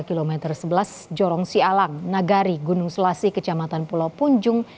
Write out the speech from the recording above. kilometer sebelas jorongsi alang nagari gunung selasi kecamatan pulau punjung